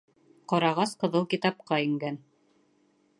Ҡарағас Ҡыҙыл китапҡа ингән.